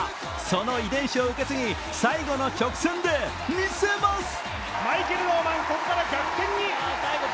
その遺伝子を受け継ぎ、最後の直前で見せます。